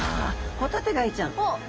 ホタテガイちゃん。